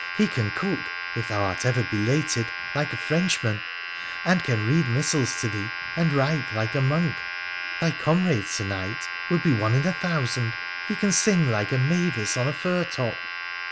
He can cook (if thou art ever belated) like a Frenchman, and can read missals to thee, and write like a monk — thy comrade, Sir knight, will be one in a thousand — he can sing like a mavis on a fir top.'